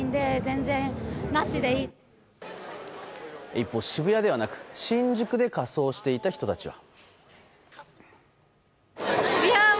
一方、渋谷ではなく新宿で仮装していた人たちは。